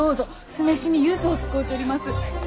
酢飯にゆずを使うちょります。